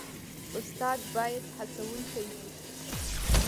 استاد باید هڅونکی وي